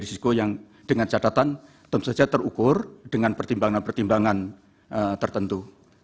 risiko yang dengan catatan tentu saja terukur dengan pertimbangan pertimbangan tertentu